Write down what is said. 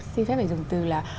xin phép phải dùng từ là